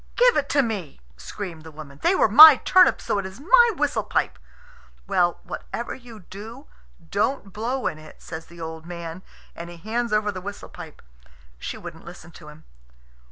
"Give it to me!" screamed the old woman. "They were my turnips, so it is my whistle pipe." "Well, whatever you do, don't blow in it," says the old man, and he hands over the whistle pipe. She wouldn't listen to him.